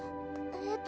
えっと